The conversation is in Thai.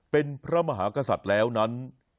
เป็นพระมหากษัตริย์แล้วนั้น